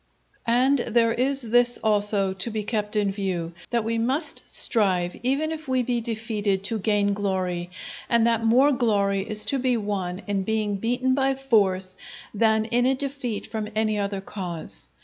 And there is this also to be kept in view, that we must strive, even if we be defeated, to gain glory; and that more glory is to be won in being beaten by force, than in a defeat from any other cause.